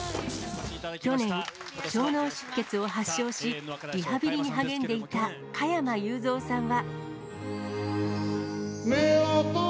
去年、小脳出血を発症し、リハビリに励んでいた加山雄三さんは。